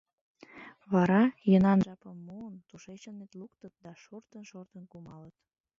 Вара, йӧнан жапым муын, тушечынет луктыт да шортын-шортын кумалыт.